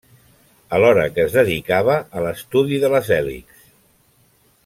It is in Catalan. Alhora que es dedicava a l'estudi de les hèlixs.